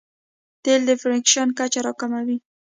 تېل د فریکشن کچه راکموي.